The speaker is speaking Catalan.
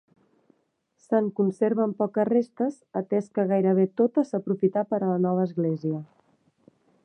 Se'n conserven poques restes, atès que gairebé tota s'aprofità per a la nova església.